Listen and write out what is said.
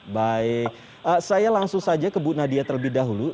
baik saya langsung saja ke bu nadia terlebih dahulu